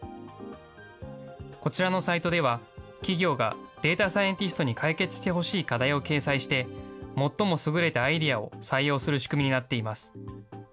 こちらのサイトでは、企業がデータサイエンティストに解決してほしい課題を掲載して、最も優れたアイデアを採用する仕組みになっています。